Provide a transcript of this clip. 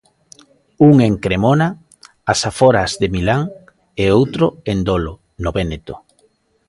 Un en Cremona, ás aforas de Milán, e outro en Dolo, no Véneto.